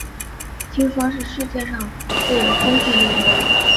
听说是世界上最有公信力的奖